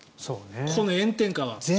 この炎天下は。